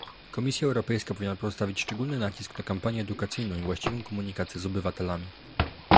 Komisja Europejska powinna postawić szczególny nacisk na kampanię edukacyjną i właściwą komunikację z obywatelami